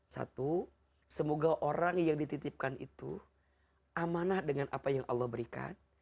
satu semoga orang yang dititipkan itu amanah dengan apa yang allah berikan